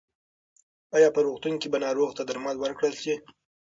ایا په روغتون کې به ناروغ ته درمل ورکړل شي؟